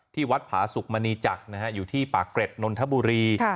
วัดผาสุกมณีจักรอยู่ที่ปากเกร็ดนนทบุรี